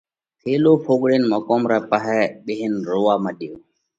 ٿيلو ڦڳوۯينَ مقوم رئہ پاهئہ ٻيهينَ روئا مڏيو۔